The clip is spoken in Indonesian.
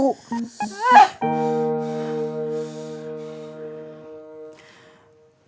kan beneran sakit bu